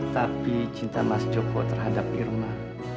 tapi cinta mas joko terhadap irma